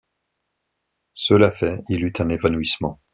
Cela fait, il eut un évanouissement.